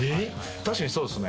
確かにそうですね。